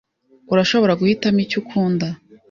Urashobora guhitamo icyo ukunda.